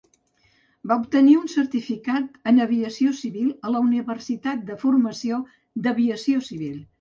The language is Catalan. Va obtenir un certificat en aviació civil a la Universitat de Formació d'Aviació Civil.